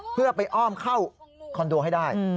เพื่อไปอ้อมเข้าคอนโดให้ได้